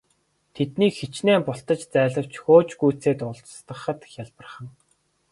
Тэднийг хэчнээн бултаж зайлавч хөөж гүйцээд устгахад хялбархан.